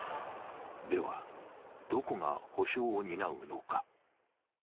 では、どこが補償を担うのか？